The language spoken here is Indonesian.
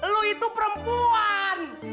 lo itu perempuan